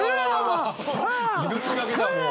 命懸けだもう。